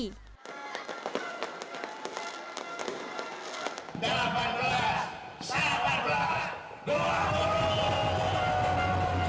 sementara di gedung sate gubernur bersama masyarakat menikmati pagelaran wayang golek